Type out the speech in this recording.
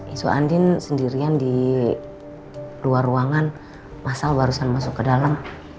isu andin sendirian di luar ruangan masal barusan masuk ke dalam